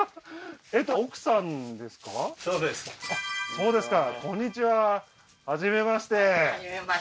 そうですか